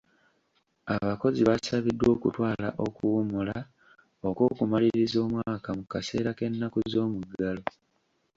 Abakozi baasabiddwa okutwala okuwummula okw'okumaliriza omwaka mu kaseera k'ennaku z'omuggalo.